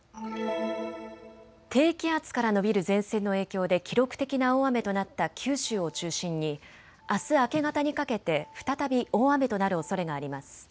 低気圧から延びる前線の影響で記録的な大雨となった九州を中心にあす明け方にかけて再び大雨となるおそれがあります。